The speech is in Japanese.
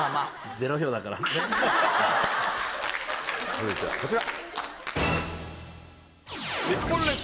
続いてはこちら！